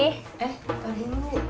eh tolong ini dulu